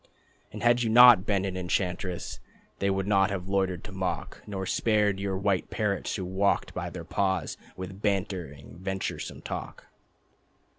And had you not been an enchantress They would not have loitered to mock Nor spared your white parrots who walked by their paws With bantering venturesome talk.